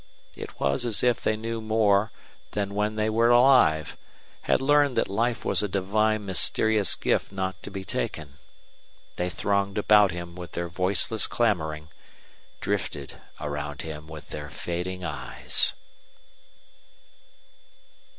It was as if they knew more than when they were alive, had learned that life was a divine mysterious gift not to be taken. They thronged about him with their voiceless clamoring, drifted around him with their fading eyes.